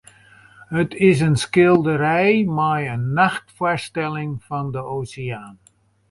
It is in skilderij mei in nachtfoarstelling fan de oseaan.